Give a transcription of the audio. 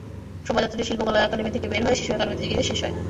শোভাযাত্রাটি Shilpakala academy থেকে বের হয়ে শিশু একাডেমীতে গিয়ে শেষ হয়।